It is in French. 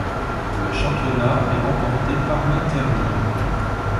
Le championnat est remporté par l'Inter Milan.